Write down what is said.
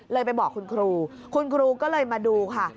ไปบอกคุณครูคุณครูก็เลยมาดูค่ะ